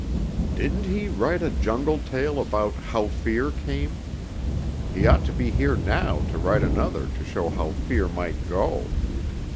"Didn't he write a Jungle tale about 'How Fear Came'? He ought to be here now to write another to show how Fear might go."